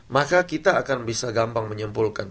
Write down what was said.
maka kita akan bisa gampang menyimpulkan